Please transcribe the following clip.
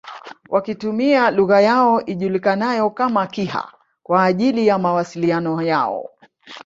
Wakitumia lugha yao ijulikanayo kama Kiha kwa ajili ya mwasiliano yao